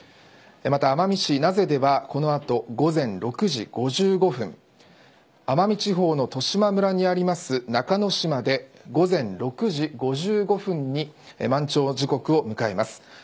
また、奄美市名瀬ではこの後午前６時５５分奄美地方の十島村にある中之島で午前６時５５分に満潮の時刻を迎えます。